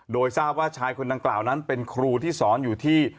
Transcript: โดยทราบว่าชายคนดังกล่าวนั้นเป็นครูที่สอนอยู่ที่